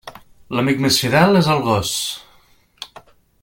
L'amic més fidel és el gos.